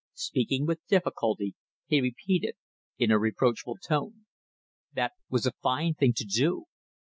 Speaking with difficulty, he repeated in a reproachful tone "That was a fine thing to do."